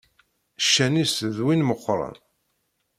Ccan-is d win meqqren.